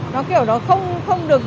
nó kiểu nó không được